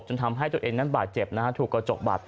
จนทำให้ตัวเองนั้นบาดเจ็บนะครับ